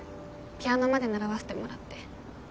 ピアノまで習わせてもらって